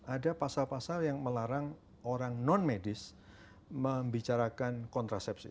ada pasal pasal yang melarang orang non medis membicarakan kontrasepsi